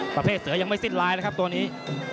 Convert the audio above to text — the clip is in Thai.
ประเภทเสือยังไม่สิ้นลายเลยครับตัวนี้